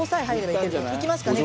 いけますかね？